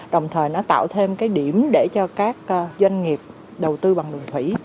đồng thời nó tạo thêm cái điểm để cho các doanh nghiệp đầu tư bằng đường thủy